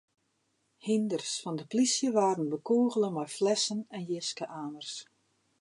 Hynders fan de polysje waarden bekûgele mei flessen en jiske-amers.